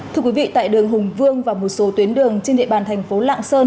thưa quý vị tại đường hùng vương và một số tuyến đường trên địa bàn tp lạng sơn